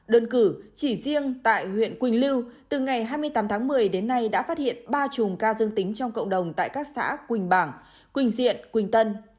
đơn cử chỉ riêng tại huyện quỳnh lưu từ ngày hai mươi tám tháng một mươi đến nay đã phát hiện ba chùm ca dương tính trong cộng đồng tại các xã quỳnh bảng quỳnh diện quỳnh tân